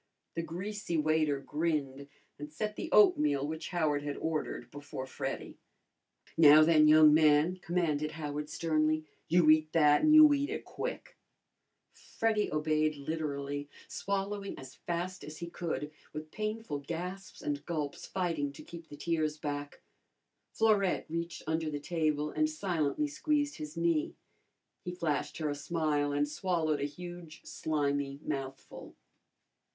The greasy waiter grinned and set the oatmeal which Howard had ordered before Freddy. "Now, then, young man," commanded Howard sternly, "you eat that, and you eat it quick!" Freddy obeyed literally, swallowing as fast as he could, with painful gasps and gulps, fighting to keep the tears back. Florette reached under the table and silently squeezed his knee. He flashed her a smile and swallowed a huge slimy mouthful.